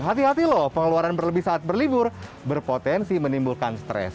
hati hati loh pengeluaran berlebih saat berlibur berpotensi menimbulkan stres